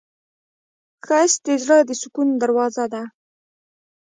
ښایست د زړه د سکون دروازه ده